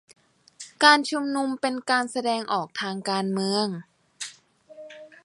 การชุมนุมเป็นการแสดงออกทางการเมือง